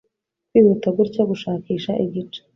kwihuta gutya gushakisha igice